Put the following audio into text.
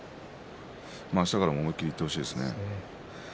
あしたからも思い切っていってほしいですね。